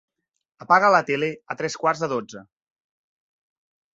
Apaga la tele a tres quarts de dotze.